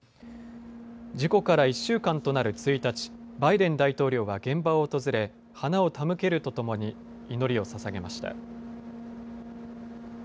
事故から１週間となる１日、バイデン大統領は現場を訪れ花を手向けるとともに祈りをささげました。